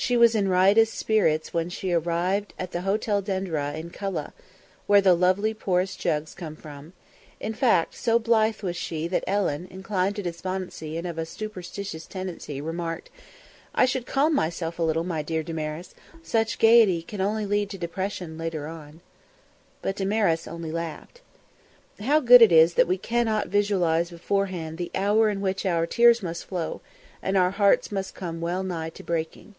She was in riotous spirits when she arrived at the Hotel Denderah in Kulla, where the lovely porous jugs come from; in fact, so blithe was she that Ellen, inclined to despondency and of a superstitious tendency, remarked: "I should calm myself a little, my dear Damaris; such gaiety can only lead to depression, later on." But Damaris only laughed. How good it is that we cannot visualise beforehand the hour in which our tears must flow and our hearts come well nigh to breaking!